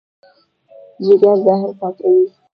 جګر زهر پاکوي.